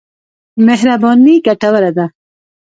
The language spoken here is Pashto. مهرباني ګټوره ده.